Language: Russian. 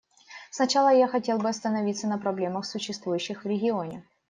Сначала я хотел бы остановиться на проблемах, существующих в регионе.